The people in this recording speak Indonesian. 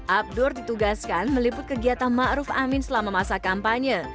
abdur ditugaskan meliput kegiatan ma'ruf amin selama masa kampanye